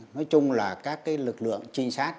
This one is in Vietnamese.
nói chung là các cái lực lượng trịnh sát